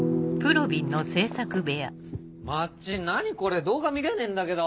まっちん何これ動画見れねえんだけど。